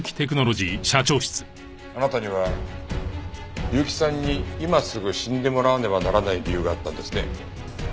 あなたには結城さんに今すぐ死んでもらわねばならない理由があったんですね。